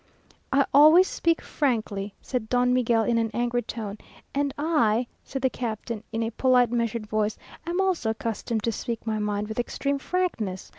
"I always speak frankly," said Don Miguel, in an angry tone. "And I," said the captain, in a polite, measured voice, "am also accustomed to speak my mind with extreme frankness.